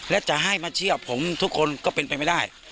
และจะให้มาเชื่อผมทุกคนก็เป็นไปไม่ได้